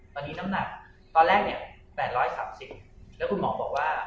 ตอนนี้น้ำหนักตอนแรกเนี่ย๘๓๐แล้วคุณหมอบอกว่า